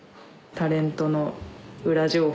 タレントの裏情報？